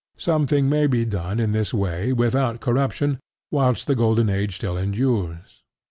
Something may be done in this way without corruption whilst the golden age still endures.